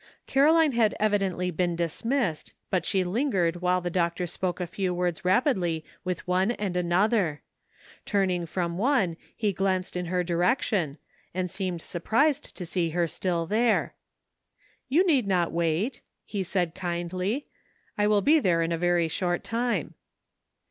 Caroline had evidently been dismissed, but she lingered while the doctor spoke a few words rapidly with one and another. Turning from one he glanced in her direction, and seemed surprised to see her still there. "You need not wait," he said kindly, "I will be there in a very short time."